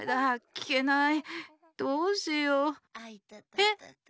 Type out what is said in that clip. えっ？